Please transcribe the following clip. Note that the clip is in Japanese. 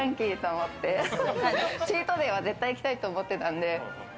チートデイは絶対行きたいと思ってたんで。